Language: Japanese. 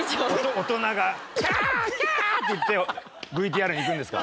大人が「キャーキャー」って言ってＶＴＲにいくんですか？